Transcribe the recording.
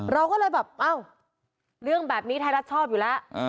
เราก็เลยแบบเอ้าเรื่องแบบนี้ไทยรัฐชอบอยู่แล้ว